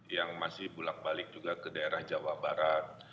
yang masih bulat balik juga ke daerah jawa barat